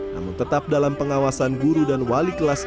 namun tetap dalam pengawasan guru dan wali kelas